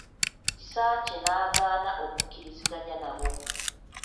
Kisaakye n'agaana okukkiriziganya nabo.